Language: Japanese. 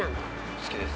好きです。